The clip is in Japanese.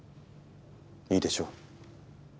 いいでしょう。